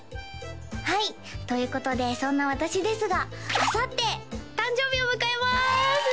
はいということでそんな私ですがあさって誕生日を迎えます